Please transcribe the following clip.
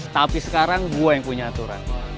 tapi sekarang gue yang punya aturan